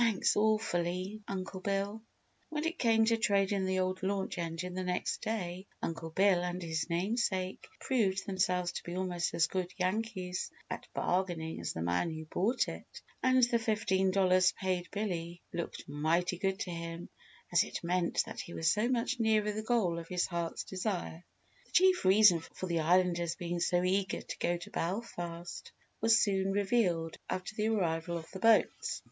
"Thanks, awfully, Uncle Bill!" When it came to trading the old launch engine the next day Uncle Bill and his namesake proved themselves to be almost as good Yankees at bargaining as the man who bought it. And the fifteen dollars paid Billy looked mighty good to him as it meant that he was so much nearer the goal of his heart's desire. The chief reason for the Islanders being so eager to go to Belfast was soon revealed after the arrival of the boats.